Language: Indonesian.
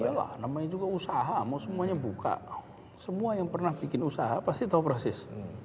ya lah namanya juga usaha mau semuanya buka semua yang pernah bikin usaha pasti tahu persis